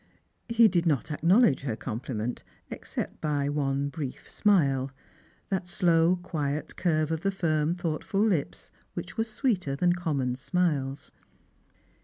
He did not ackno ^fledge her compliment, except by one brief smile — that slow quiet curve of the firm thoughtful lips, which was sweeter than common smiles.